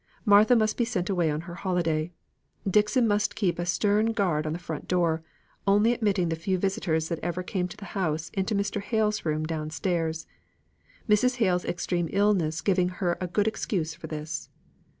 Martha must be sent away on her holiday; Dixon must keep stern guard on the front door, only admitting the few visitors that ever came to the house into Mr. Hale's room down stairs Mrs. Hale's extreme illness giving her a good excuse for this.